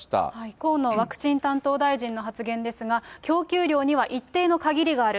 河野ワクチン担当大臣の発言ですが、供給量には一定の限りがある。